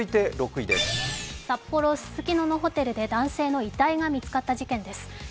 札幌・ススキノのホテルで男性の遺体が見つかった事件です。